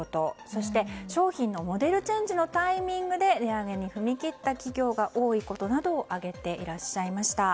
そして、商品のモデルチェンジのタイミングで値上げに踏み切った企業が多いことなどを挙げていらっしゃいました。